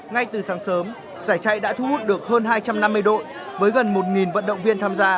ngay từ sáng sớm giải chạy đã thu hút được hơn hai trăm năm mươi đội với gần một vận động viên tham gia